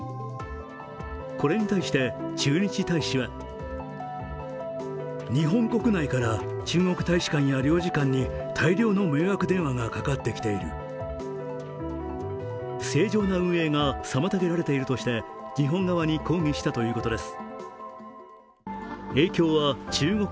これに対して、駐日大使は正常な運営が妨げられているとして日本側に抗議したということです。